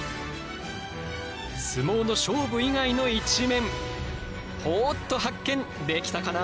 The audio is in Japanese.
相撲の勝負以外の一面ほぉっと発見できたかな？